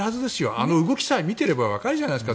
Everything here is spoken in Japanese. あの動きさえ見てればわかるじゃないですか。